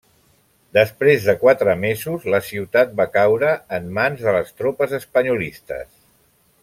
Després de quatre mesos la ciutat va caure en mans de les tropes espanyolistes.